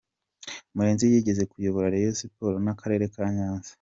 Murenzi yigeze kuyobora Rayon sports n’akarere ka Nyanza.